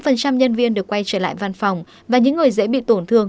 bảy mươi năm nhân viên được quay trở lại văn phòng và những người dễ bị tổn thương